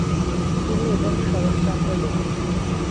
তিনি এবং শরচ্চন্দ্র দেব।